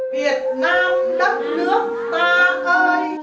việt nam đất nước ta ơi